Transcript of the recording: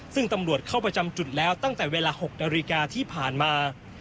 ซึ่งตำรวจเข้าประจำจุดแล้วตั้งแต่เวลา๖นาฬิกาที่ผ่านมา